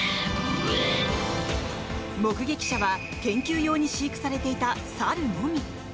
目撃者は研究用に飼育されていた猿のみ。